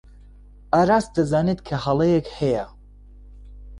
ئاراس دەزانێت کە هەڵەیەک هەیە.